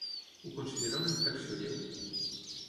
Ho considera una infracció lleu?